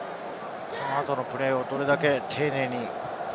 あとのプレーを、どれだけ丁寧に。